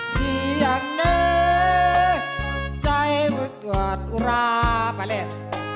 ที่ยังเนื้อใจเมื่อเกิดอุราไปเลย